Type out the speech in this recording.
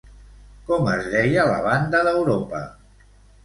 Com es deia la banda d'Europa?